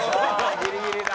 ギリギリだ。